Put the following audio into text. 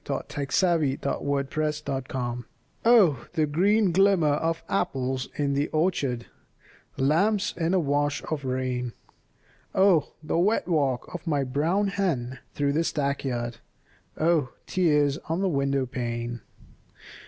LAWRENCE BALLAD OF ANOTHER OPHELIA Oh, the green glimmer of apples in the orchard, Lamps in a wash of rain, Oh, the wet walk of my brown hen through the stackyard, Oh, tears on the window pane!